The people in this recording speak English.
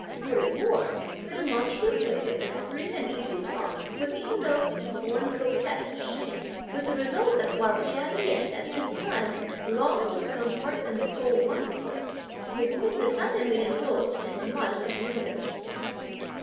What is more, her demonstrative ways and free and easy talk put even those of a born coquette to shame, with the result that while Chia Lien, at this time, longed to become heart and soul one with her, the woman designedly indulged in immodest innuendoes.